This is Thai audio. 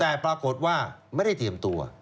แต่ปรากฏว่าไม่ได้เตรียมตัว